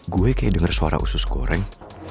gue kayak denger suara usus goreng